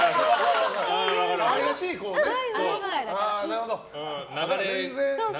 なるほど。